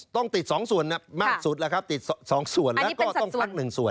ต้องติด๒ส่วนมากสุดแล้วครับติด๒ส่วนแล้วก็ต้องพักหนึ่งส่วน